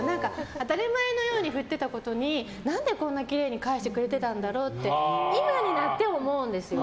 当たり前のように振ってたことに何で、こんなきれいに返してくれてたんだろうって今になって思うんですよ。